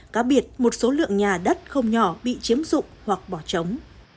cá biệt một số lượng nhà đất không nhỏ bị chiếm dụng hoặc bỏ trống